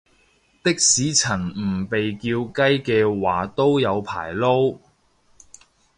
的士陳唔被叫雞嘅話都有排撈